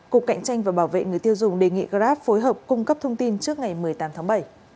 cục cạnh tranh và bảo vệ người tiêu dùng đề nghị grab phối hợp cung cấp thông tin trước ngày một mươi tám tháng bảy